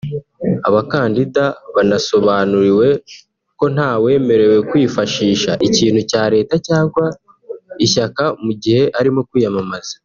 Abakandida banasobanuriwe ko nta wemerewe kwifashisha ikintu cya leta cyangwa ishyaka mu gihe arimo kwiyamamaza